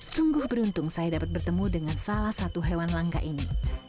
sungguh beruntung saya dapat bertemu dengan salah satu hewan langka ini